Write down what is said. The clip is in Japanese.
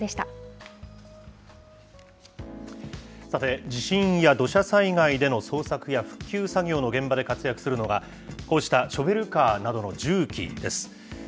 さて、地震や土砂災害での捜索や復旧作業の現場で活躍するのが、こうしたショベルカーなどの重機です。